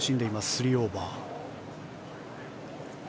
３オーバー。